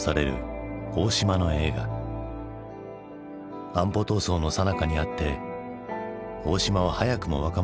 安保闘争のさなかにあって大島は早くも若者たちの敗北を描いた。